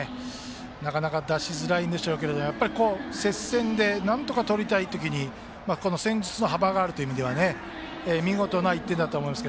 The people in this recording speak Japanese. なかなか出しづらいでしょうけど接戦でなんとか取りたい時に戦術の幅があるという意味では見事な１点だったと思います。